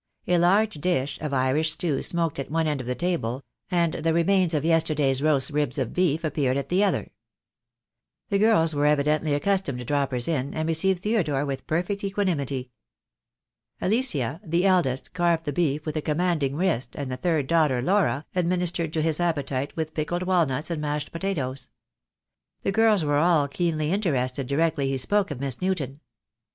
A large dish of Irish stew smoked at one end of the table, and the remains of yesterday's roast ribs of beef appeared at the other. The girls were evidently accustomed to droppers in, and received Theodore with perfect equanimtiy. Alicia, the eldest, carved the beef with a commanding wrist, and the third daughter, Laura, administered to his appetite with pickled walnuts and mashed potatoes. The girls were all keenly interested directly he spoke of Miss Newton.